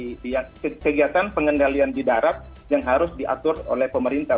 jadi kegiatan pengendalian di darat yang harus diatur oleh pemerintah